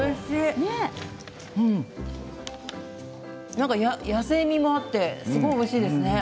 なんか野性味もあってすごいおいしいですね。